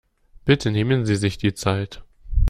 Bitte nehmen sie sich die Zeit.